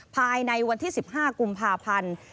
ภายในวันที่๑๕กุมภาพันธ์